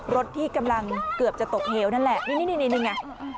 รถที่กำลังเกือบจะตกเหวนั่นแหละนี่ไง